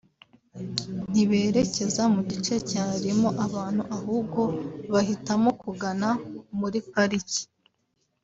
ntiberekeza mu gice cyarimo abantu ahubwo bahitamo kugana muri pariki